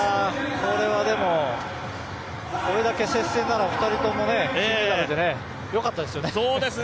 これはでも、これだけ接戦なら２人ともね金メダルでね、よかったですよね。